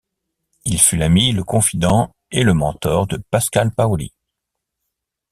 Il fut l'ami, le confident et le mentor de Pascal Paoli.